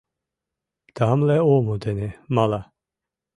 Тамле омо дене мала.